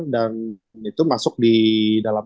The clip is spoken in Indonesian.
dan itu masuk di dalam